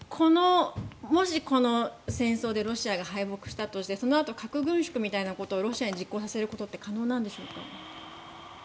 もしこの戦争でロシアが敗北したとしてそのあと、核軍縮みたいなことをロシアに実行させることって可能なんでしょうか？